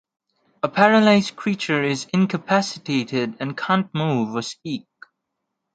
A paralyzed creature is incapacitated and can’t move or speak.